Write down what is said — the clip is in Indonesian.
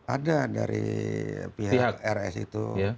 ada dari pihak rs itu